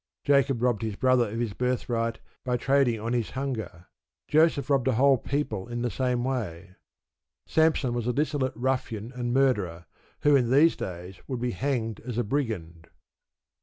Jacob robbed his brother of his birthright by trading on his hunger; Joseph robbed a whole people in the same way. Samson was a dissolute ruffian and murderer, who in these days would be hanged as a brigand.